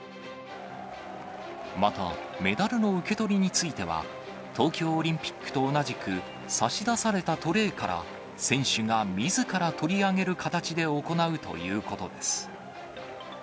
また、メダルの受け取りについては、東京オリンピックと同じく、差し出されたトレーから、選手がみずから取り上げる形で行うということです。